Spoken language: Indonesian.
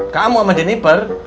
kamu sama jeniper